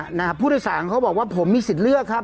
ครับผมนะครับผู้โดยสารเขาบอกว่าผมมีสิทธิ์เลือกครับ